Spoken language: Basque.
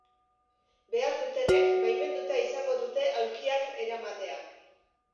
Behar dutenek, baimenduta izango dute aulkiak eramatea.